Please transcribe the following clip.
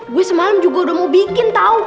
gue semalam juga udah mau bikin tau